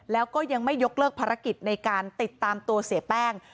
แล้วก็ยังไม่ยกเลิกภารกิจในการติดตามตัวเสียแป้ง